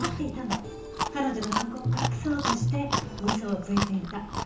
彼女の犯行を隠そうとして嘘をついていた。